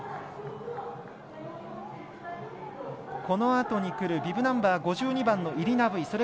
このあとにくるビブナンバー５２番のイリナ・ブイ。